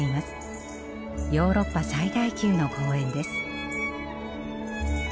ヨーロッパ最大級の公園です。